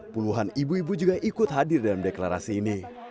puluhan ibu ibu juga ikut hadir dalam deklarasi ini